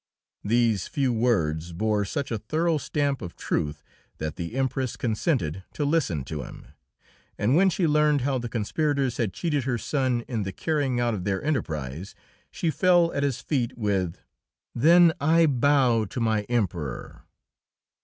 These few words bore such a thorough stamp of truth that the Empress consented to listen to him, and when she learned how the conspirators had cheated her son in the carrying out of their enterprise, she fell at his feet with, "Then I bow to my Emperor!"